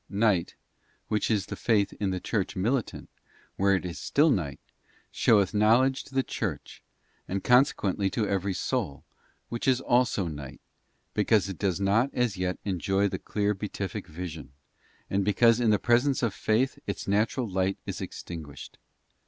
'Night,' which is the faith in the Church militant, where it is still night, showeth knowledge to the Church, and consequently to every soul, which is also night, because it does not as yet enjoy the clear beatific vision, and because in the presence of faith its natural light is extin guished.